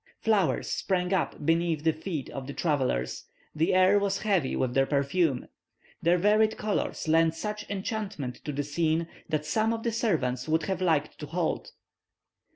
Flowers sprang up beneath the feet of the travellers; the air was heavy with their perfume; their varied colours lent such enchantment to the scene that some of the servants would have liked to halt.